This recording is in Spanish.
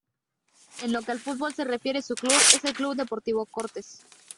En lo que al fútbol se refiere su club es el Club Deportivo Cortes.